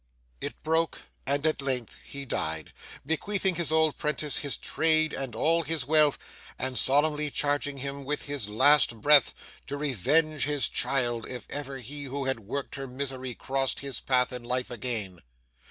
It broke at length and he died,—bequeathing his old 'prentice his trade and all his wealth, and solemnly charging him with his last breath to revenge his child if ever he who had worked her misery crossed his path in life again.